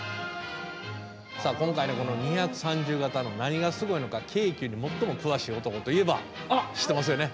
今回のこの２３０形の何がすごいのか京急に最も詳しい男といえば知ってますよね？